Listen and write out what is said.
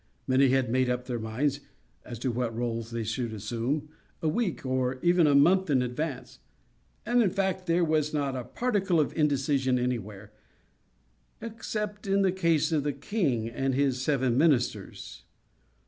Many had made up their minds (as to what roles they should assume) a week, or even a month, in advance; and, in fact, there was not a particle of indecision anywhere—except in the case of the king and his seven minsters.